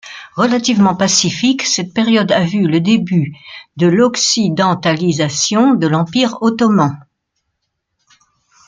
Relativement pacifique, cette période a vu le début de l'occidentalisation de l'Empire ottoman.